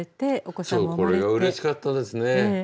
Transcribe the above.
これがうれしかったですね。